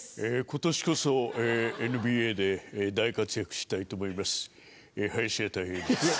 今年こそＮＢＡで大活躍したいと思います林家たい平です。